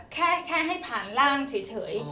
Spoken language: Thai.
แค่ให้ผ่านร่างเฉย